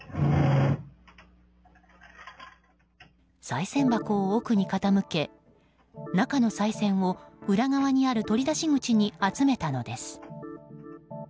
さい銭箱を奥に傾け中のさい銭を裏側にある取り出し口に集めたのです。